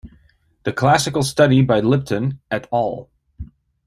The classical study by Lipton "et al.